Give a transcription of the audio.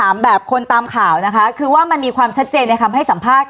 แบบคนตามข่าวนะคะคือว่ามันมีความชัดเจนในคำให้สัมภาษณ์